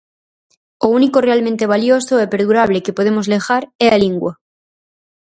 O único realmente valioso e perdurable que podemos legar é a lingua